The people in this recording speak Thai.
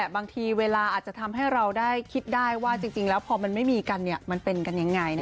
บางทีเวลาอาจจะทำให้เราได้คิดได้ว่าจริงแล้วพอมันไม่มีกันมันเป็นกันยังไง